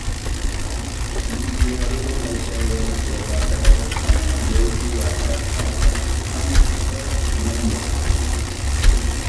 Msiharibu maisha yenu ya baadaye kwa kufanya mageuzi ya haraka haraka na msiondoe muundo